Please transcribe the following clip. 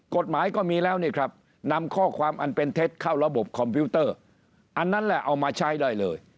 กฎหมายก็มีแล้วนี่ครับนำข้อความอันเป็นเท็จเข้าระบบคอมพิวเตอร์อันนั้นแหละเอามาใช้ได้เลย